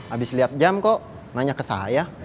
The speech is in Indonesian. abis liat jam kok nanya ke saya